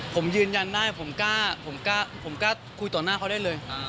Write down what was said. ผมยืนยันได้ผมกล้าคุยต่อหน้าเขาได้เลย